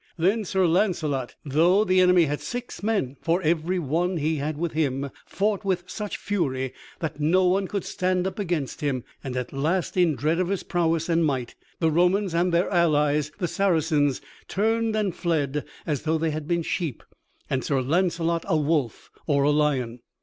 Then Sir Launcelot, though the enemy had six men for every one he had with him, fought with such fury that no one could stand up against him; and at last, in dread of his prowess and might, the Romans and their allies the Saracens turned and fled as though they had been sheep and Sir Launcelot a wolf or a lion.